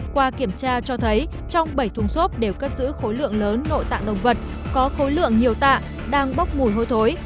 qua kiểm tra cho thấy trong bảy thùng xốp đều cất giữ khối lượng lớn nội tạng động vật có khối lượng nhiều tạ đang bốc mùi hôi thối